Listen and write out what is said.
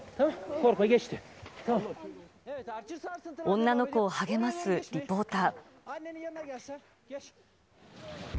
女の子を励ますリポーター。